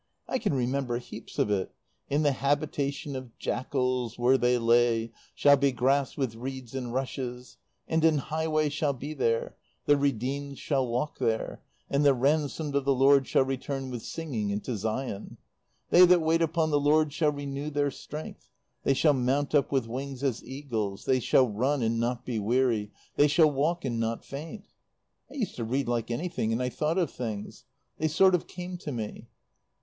I can remember heaps of it: 'in the habitation of jackals, where they lay, shall be grass with reeds and rushes. And an highway shall be there ... the redeemed shall walk there: and the ransomed of the Lord shall return with singing into Zion' ... 'They that wait upon the Lord shall renew their strength; they shall mount up with wings as eagles; they shall run, and not be weary; they shall walk, and not faint.' I used to read like anything; and I thought of things. They sort of came to me.